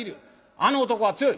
あの男は強い。